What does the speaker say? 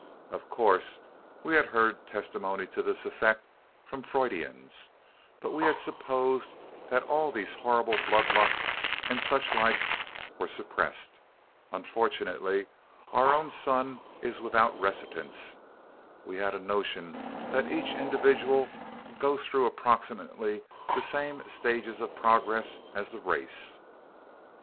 Of course, we had heard testimony to this effect from Freudians, but we had supposed that all these horrible blood lusts and such like were suppressed. Unfortunately, our own son is without reticence. We have a notion that each individual goes through approximately the same stages of progress as the race.